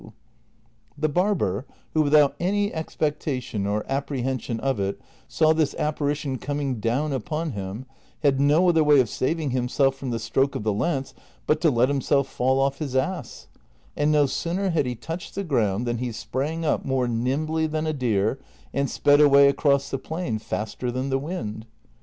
CHAPTER XXL 149 The barber, who without any expectation or apprehension of it saw this apparition coming down upon him, had no other way of saving himself from the stroke of the Lance but to let himself fall off his ass ; and no sooner had he touched the ground than he sprang up more nimbly than a deer and sped away across the plain faster than the wind.